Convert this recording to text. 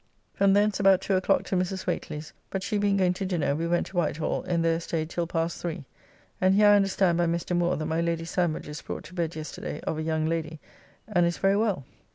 From thence about two o'clock to Mrs. Whately's, but she being going to dinner we went to Whitehall and there staid till past three, and here I understand by Mr. Moore that my Lady Sandwich is brought to bed yesterday of a young Lady, and is very well.